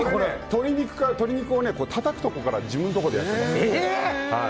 鶏肉をたたくところから自分のところでやってます。